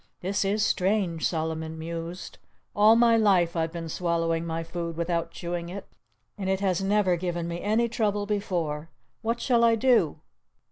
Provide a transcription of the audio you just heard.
"This is strange," Solomon mused. "All my life I've been swallowing my food without chewing it. And it has never given me any trouble before.... What shall I do?"